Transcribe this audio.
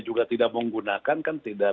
juga tidak menggunakan kan tidak